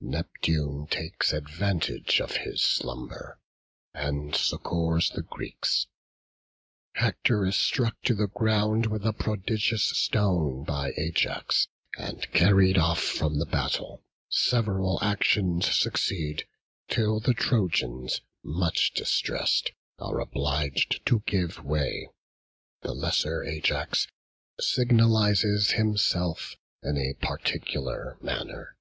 Neptune takes advantage of his slumber, and succours the Greeks; Hector is struck to the ground with a prodigious stone by Ajax, and carried off from the battle; several actions succeed; till the Trojans, much distressed, are obliged to give way; the lesser Ajax signalizes himself in a particular manner.